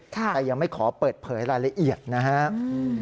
แต่ยังไม่ขอเปิดเผยรายละเอียดนะครับ